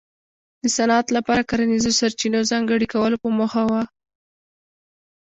د صنعت لپاره کرنیزو سرچینو ځانګړي کولو په موخه و.